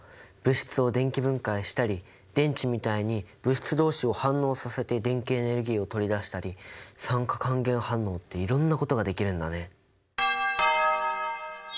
物質を電気分解したり電池みたいに物質どうしを反応させて電気エネルギーを取り出したり酸化還元反応っていろんなことができるんだね。